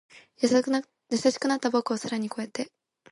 優しくなった僕を更に越えて